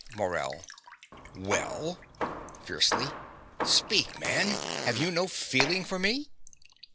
MORELL. Well? (Fiercely.) Speak, man: have you no feeling for me?